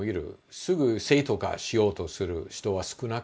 すぐ正当化しようとする人は少なくない。